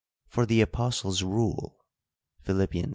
For, the apostle's rule (Phil, iv.)